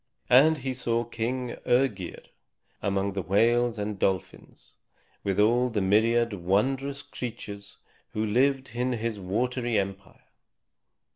And he saw King Œgir, among the whales and dolphins, with all the myriad wondrous creatures who lived in his watery empire.